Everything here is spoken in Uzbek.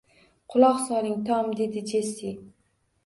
Quloq soling, Tom, dedi Jessi